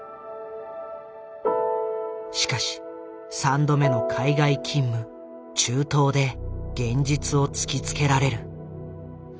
しかし３度目の海外勤務中東で現実を突きつけられる。